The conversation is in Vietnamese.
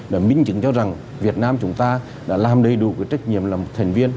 đã minh chứng cho rằng việt nam chúng ta đã làm đầy đủ trách nhiệm làm thành viên